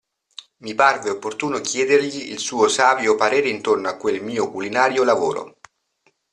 Mi parve opportuno chiedergli il suo savio parere intorno a quel mio culinario lavoro.